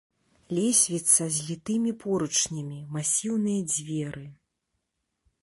Лесвіца з літымі поручнямі, масіўныя дзверы.